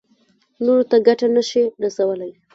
نورو ته ګټه نه شي رسولی.